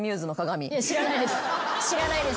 いや知らないです。